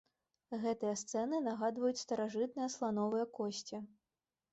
Гэтыя сцэны нагадваюць старажытныя слановыя косці.